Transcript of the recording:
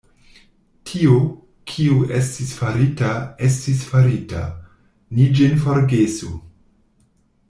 Tio, kio estis farita, estis farita; ni ĝin forgesu.